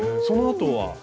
そのあとは？